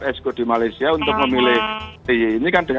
berarti islam cablesuahtersis moment ini telah dipakai seperti produkya pecah